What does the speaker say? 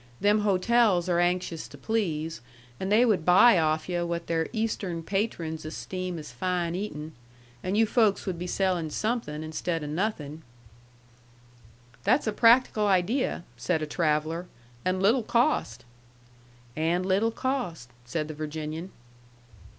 Them hotels are anxious to please, an' they would buy off yu' what their Eastern patrons esteem as fine eatin'. And you folks would be sellin' something instead o' nothin'." "That's a practical idea," said a traveller. "And little cost." "And little cost," said the Virginian.